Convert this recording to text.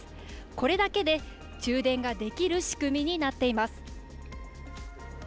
これだけで充電ができる仕組みになっています。